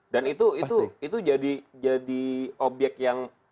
dan itu jadi obyek yang